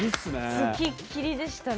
つきっきりでしたね。